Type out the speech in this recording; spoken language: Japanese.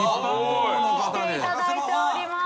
来ていただいております。